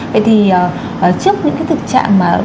vậy thì trước những thực trạng